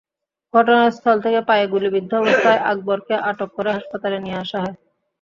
ঘটনাস্থল থেকে পায়ে গুলিবিদ্ধ অবস্থায় আকবরকে আটক করে হাসপাতালে নিয়ে আসা হয়।